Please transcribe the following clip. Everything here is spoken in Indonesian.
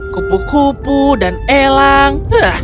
kupu kupu dan elang